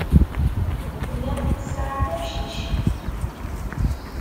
Tellamt tesɛamt amcic.